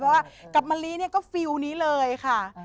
เพราะว่ากับมะลิเนี่ยก็ฟิลนี้เลยค่ะ